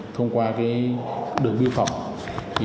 thông qua đường biên phòng